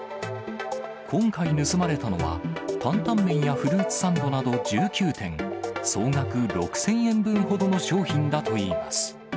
今回盗まれたのは、担々麺やフルーツサンドなど１９点、総額６０００円分ほどの商品だといいます。